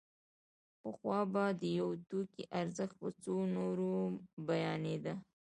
پخوا به د یو توکي ارزښت په څو نورو بیانېده